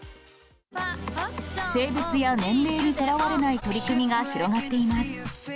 性別や年齢にとらわれない取り組みが広がっています。